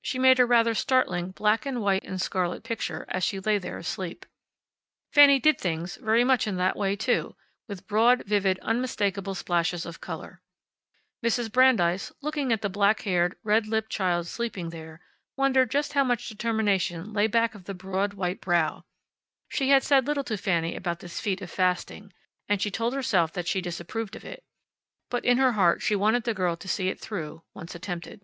She made a rather startlingly black and white and scarlet picture as she lay there asleep. Fanny did things very much in that way, too, with broad, vivid, unmistakable splashes of color. Mrs. Brandeis, looking at the black haired, red lipped child sleeping there, wondered just how much determination lay back of the broad white brow. She had said little to Fanny about this feat of fasting, and she told herself that she disapproved of it. But in her heart she wanted the girl to see it through, once attempted.